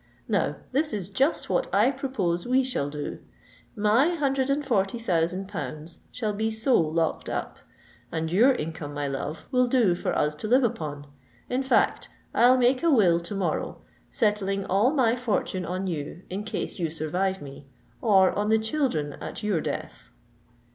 Now, this is just what I propose we shall do. My hundred and forty thousand pounds shall be so locked up; and your income, my love, will do for us to live upon. In fact, I'll make a will to morrow, settling all my fortune on you in case you survive me, or on the children at your death."